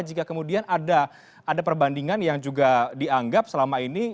jika kemudian ada perbandingan yang juga dianggap selama ini